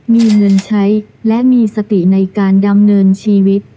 มีเงินใช้และมีสติในการดำเนินชีวิต